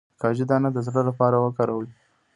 د کاجو دانه د زړه لپاره وکاروئ